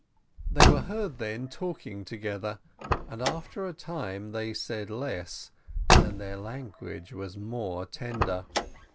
They were heard then talking together, and after a time they said less, and their language was more tender.